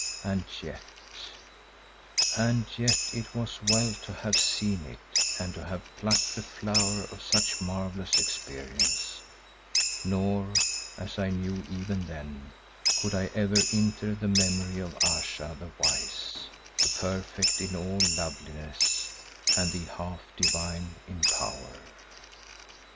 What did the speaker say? And yet, and yet it was well to have seen it and to have plucked the flower of such marvellous experience, nor, as I knew even then, could I ever inter the memory of Ayesha the wise, the perfect in all loveliness, and the half divine in power.